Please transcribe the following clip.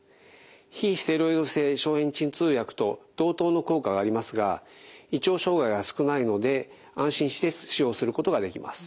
非ステロイド性消炎鎮痛薬と同等の効果がありますが胃腸障害が少ないので安心して使用することができます。